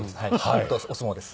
元お相撲です。